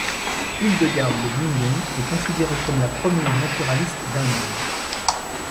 Hildegarde de Bingen est considérée comme la première naturaliste d'Allemagne.